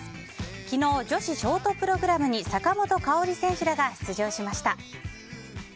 昨日、女子ショートプログラムに坂本花織選手らが出場しました。